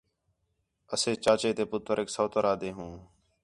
اسے چاچے تے پُتریک سوتر آہدے ہوں